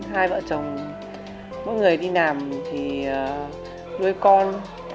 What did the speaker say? hai vợ chồng mỗi người đi làm thì nuôi con